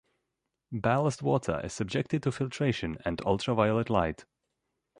Ballast water is subjected to filtration and ultraviolet light.